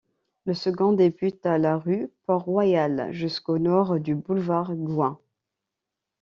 Le second débute à la rue Port-Royal jusqu'au nord du boulevard Gouin.